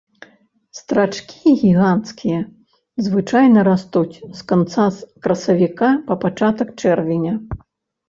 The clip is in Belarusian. Страчкі гіганцкія звычайна растуць з канца красавіка па пачатак чэрвеня.